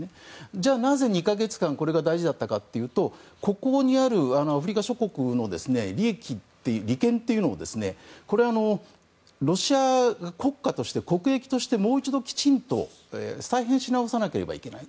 じゃあ、なぜ２か月間これが大事だったかというとここにあるアフリカ諸国の利権というのをロシア国家として国益としてもう一度きちんと再編し直さなければいけない。